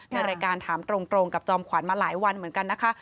ในรายการถามตรงกับจอมขวัญมาหลายวันเหมือนกันนะคะ